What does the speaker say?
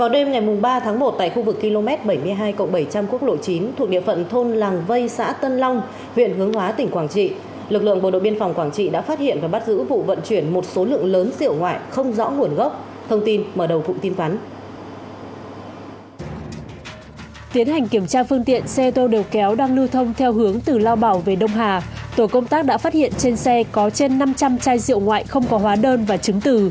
đông hà tổ công tác đã phát hiện trên xe có trên năm trăm linh chai rượu ngoại không có hóa đơn và chứng từ